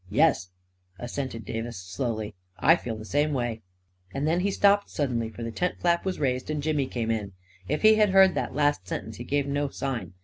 " Yes," assented Davis, slowly, " I feel the same way ..." And then he stopped suddenly, for the tent flap was raised and Jimmy came in. If he had heard that last sentence, he gave no sign.